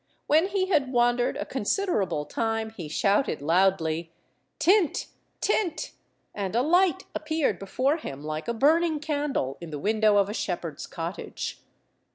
When he had wandered a considerable time, he shouted loudly— "Tint! tint!" and a light appeared before him, like a burning candle in the window of a shepherd's cottage.